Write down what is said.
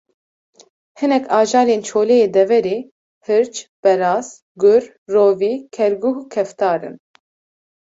Hinek ajalên çolê yê deverê: hirç, beraz, gur, rovî, kerguh, keftar in